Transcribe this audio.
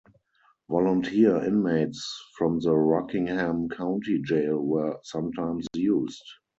Volunteer Inmates from the Rockingham County Jail were sometimes used.